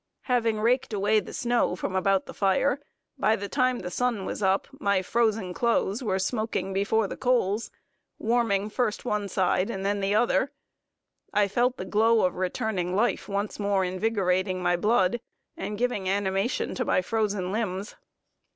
Having raked away the snow from about the fire, by the time the sun was up, my frozen clothes were smoking before the coals warming first one side and then the other I felt the glow of returning life once more invigorating my blood, and giving animation to my frozen limbs.